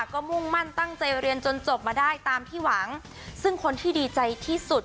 ก็มุ่งมั่นตั้งใจเรียนจนจบมาได้ตามที่หวังซึ่งคนที่ดีใจที่สุด